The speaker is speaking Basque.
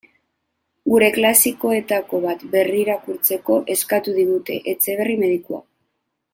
Gure klasikoetako bat berrirakurtzeko eskatu digute: Etxeberri medikua.